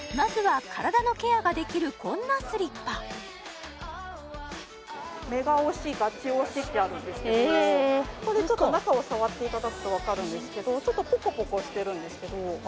まずはメガ押しガチ押しってあるんですけどこれちょっと中を触っていただくと分かるんですけどちょっとポコポコしてるんですけどあ